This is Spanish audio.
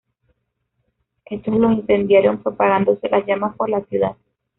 Estos lo incendiaron, propagándose las llamas por la ciudad.